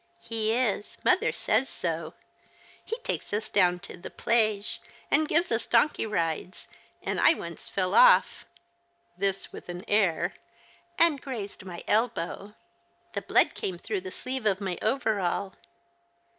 "He is. Mother says so. He takes us down to the flage and gives us donkey rides, and I once fell off" — this with an air — "and grazed my elbow. The blood came through the sleeve of my over all.